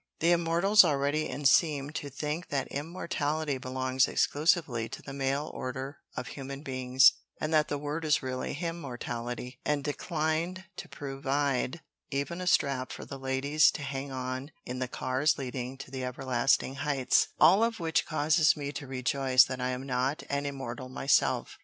The Immortals already in seem to think that immortality belongs exclusively to the male order of human beings, and that the word is really 'Him mortality', and decline to provide even a strap for the ladies to hang on in the cars leading to the everlasting heights, all of which causes me to rejoice that I am not an Immortal myself.